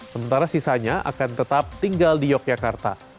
sementara sisanya akan tetap tinggal di yogyakarta